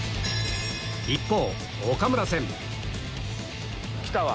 一方岡村船きたわ！